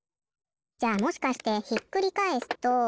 じゃあもしかしてひっくりかえすと。